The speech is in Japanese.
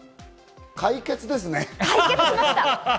解決ですね。